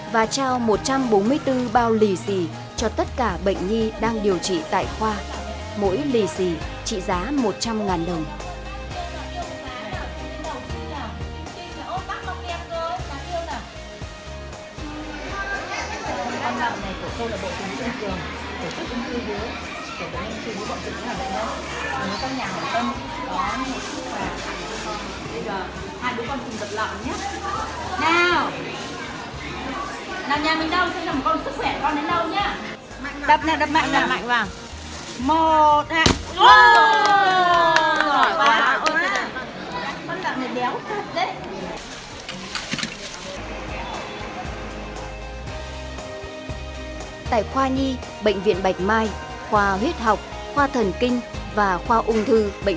và trao một trăm bốn mươi bốn lợn đất cho các con bệnh nhi có hoàn cảnh khó khăn